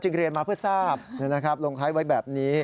เรียนมาเพื่อทราบลงท้ายไว้แบบนี้